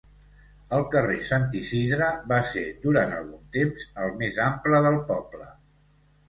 El carrer Sant Isidre va ser -durant algun temps- el més ample del poble.